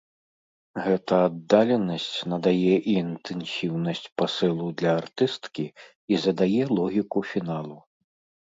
Гэта аддаленасць надае і інтэнсіўнасць пасылу для артысткі, і задае логіку фіналу.